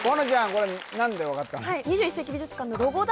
これ何で分かったの？